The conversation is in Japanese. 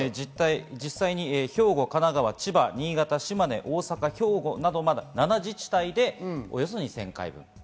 兵庫、神奈川、千葉、新潟、島根、大阪、兵庫など７自治体でおよそ２０００回分です。